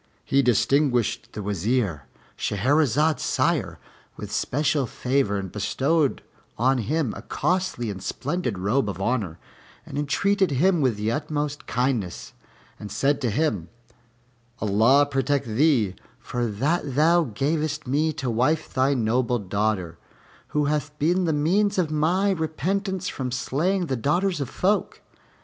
He distinguished the Wazir, Shahrazad's sire, with special favor and bestowed on him a costly and splendid robe of honor, and entreated him with the utmost kindness, and said to him, "Allah protect thee for that thou gavest me to wife thy noble daughter, who hath been the means of my repentance from slaying the daughters of folk.